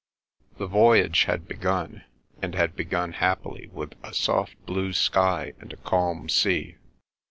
The voyage had begun, and had begun happily with a soft blue sky, and a calm sea.